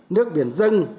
nước biển dân